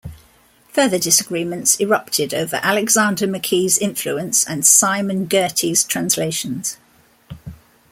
Further disagreements erupted over Alexander McKee's influence and Simon Girty's translations.